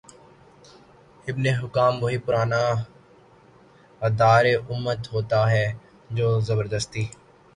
ابن حکام وہی پرانا غدار امت ہوتا ہے جو زبردستی